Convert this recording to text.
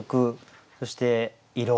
そして色。